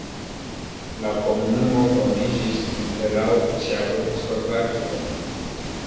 La komunumo fondiĝis en erao de Ĉeĥoslovakio.